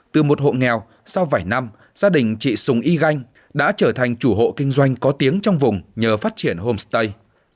từ một hộ nghèo sau vài năm gia đình chị sùng y ganh đã trở thành chủ hộ kinh doanh có tiếng trong vùng nhờ phát triển homestay